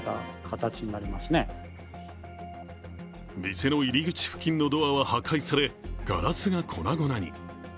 店の入り口付近のドアは破壊され、ガラスが粉々に。